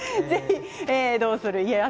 「どうする家康」